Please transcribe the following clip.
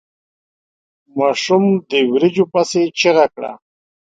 ماشوم د وريجو پسې چيغه کړه.